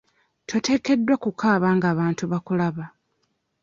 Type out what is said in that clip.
Toteekeddwa kukaaba ng'abantu bakulaba.